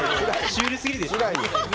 シュールすぎるでしょ。